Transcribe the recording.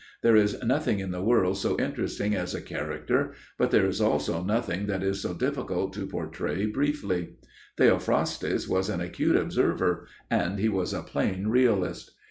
There is nothing in the world so interesting as a character, but there is also nothing that is so difficult to portray briefly. Theophrastus was an acute observer and he was a plain realist.